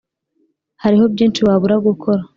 hariho byinshi wabura gukora.